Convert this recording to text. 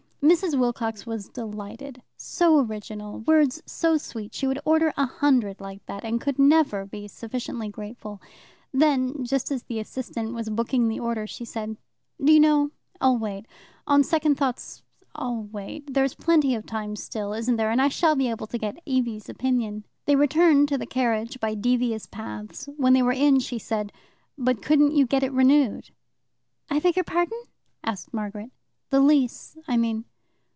Mrs. Wilcox was delighted so original, words so sweet; she would order a hundred like that, and could never be sufficiently grateful. Then, just as the assistant was booking the order, she said: "Do you know, I'll wait. On second thoughts, I'll wait. There's plenty of time still, isn't there, and I shall be able to get Evie's opinion." They returned to the carriage by devious paths; when they were in, she said, "But couldn't you get it renewed?" "I beg your pardon?" asked Margaret. "The lease, I mean."